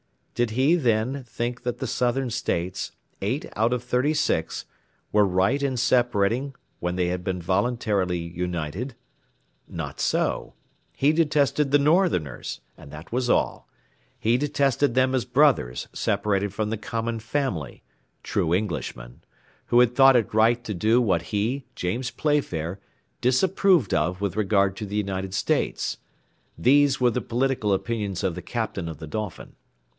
Did he, then, think that the Southern States, eight out of thirty six, were right in separating when they had been voluntarily united? Not so; he detested the Northerners, and that was all; he detested them as brothers separated from the common family true Englishmen who had thought it right to do what he, James Playfair, disapproved of with regard to the United States: these were the political opinions of the Captain of the Dolphin.